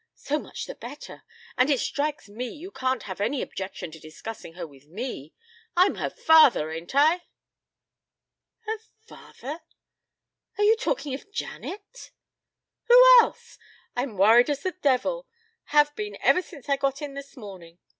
So much the better! And it strikes me you can't have any objection to discussing her with me. I'm her father, ain't I?" "Her father are you talking of Janet?" "Who else? I'm worried as the devil. Have been ever since I got in this morning.